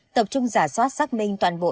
tập trung giả soát xác minh toàn bộ